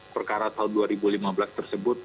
perkara tahun dua ribu lima belas tersebut